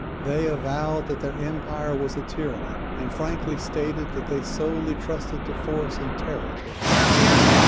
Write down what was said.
They avowed that their empire was a tyranny, and frankly stated that they solely trusted to force and terror to uphold it.